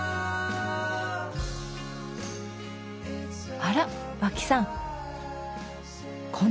あら和氣さん